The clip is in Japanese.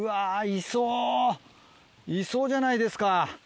いそういそうじゃないですか。